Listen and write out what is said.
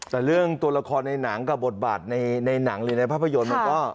แต่เรื่องตัวละครในหนังกับบทบาทในหนังหรือในภาพยนตร์มันก็